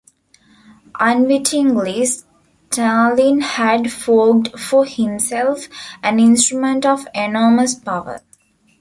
Unwittingly Stalin had forged for himself an instrument of enormous power.